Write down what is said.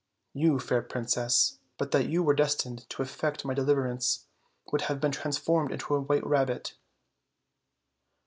You, fair princess, but that you were destined to effect my deliver ance, would have been transformed into a white rabbit."